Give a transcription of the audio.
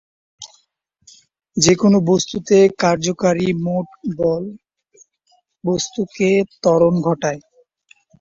যেকোন বস্তুতে কার্যকারী মোট বল, বস্তুতে ত্বরণ ঘটায়।